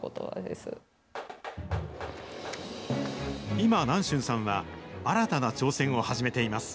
今、南春さんは新たな挑戦を始めています。